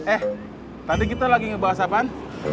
eh tadi kita lagi ngebahas sapan